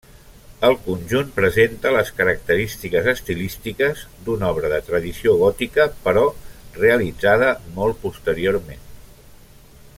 El conjunt presenta les característiques estilístiques d'una obra de tradició gòtica, però realitzada molt posteriorment.